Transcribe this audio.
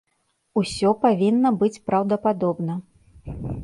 Усё павінна быць праўдападобна.